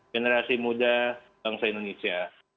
generasi muda bangsa indonesia